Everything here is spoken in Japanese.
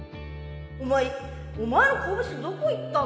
お前お前の拳どこ行ったんだよ？